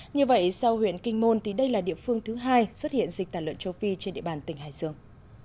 như vậy sau huyện kinh môn thì đây là địa phương thứ hai xuất hiện dịch tả lợn châu phi trên địa bàn tỉnh hải dương